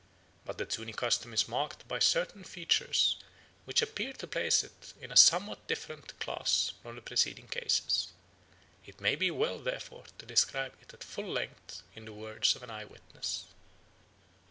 But the Zuni custom is marked by certain features which appear to place it in a somewhat different class from the preceding cases. It may be well therefore to describe it at full length in the words of an eye witness.